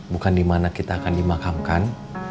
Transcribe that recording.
bukan dimana kita akan dimakamkan